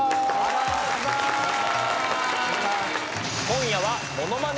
今夜は。